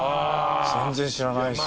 全然知らないし。